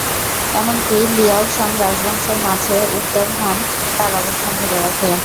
এমনকি লিয়াও-সং রাজবংশের মাঝে উত্তর হান তার অবস্থান ধরে রাখে।